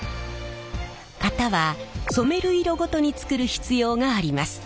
型は染める色ごとに作る必要があります。